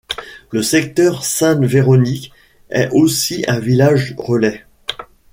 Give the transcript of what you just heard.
Le secteur Sainte-Véronique est aussi un village-relais.